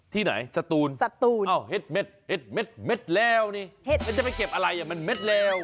ที่ไหนสตูนอ้าวเห็ดเม็ดเห็ดเม็ดเม็ดแล้วนี่ไม่ได้ไปเก็บอะไรมันเม็ดแล้ว